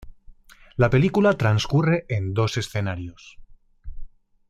La película transcurre en dos escenarios.